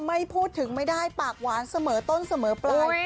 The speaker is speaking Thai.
ไม่พูดถึงไม่ได้ปากหวานเสมอต้นเสมอปลาย